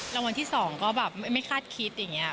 รางวัลที่๒ก็แบบไม่คาดคิดอย่างนี้